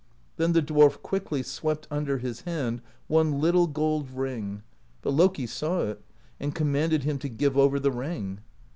Then the dwarf quickly swept under his hand one little gold ring, but Loki saw it and commanded him to give over the ring.